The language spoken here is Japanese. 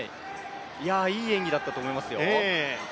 いい演技だったと思いますよ。